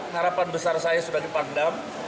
harapan besar saya sudah di pakdam